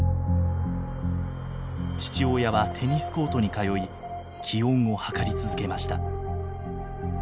父親はテニスコートに通い気温を測り続けました。